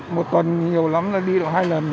một tuần nhiều lắm là đi được hai lần